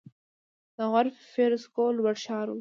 د غور فیروزکوه لوړ ښار و